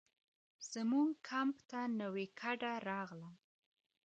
زموږ کمپ ته نوې کډه راغله.